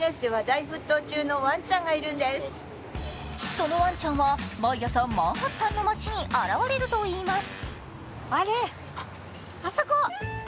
そのワンちゃんは毎朝マンハッタンの街に現れるといいます。